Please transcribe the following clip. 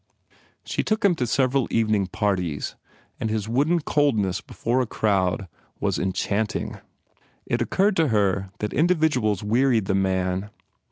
She took him to several evening parties and his wooden coldness before a crowd was enchant ing. It occurred to her that individuals wearied the man.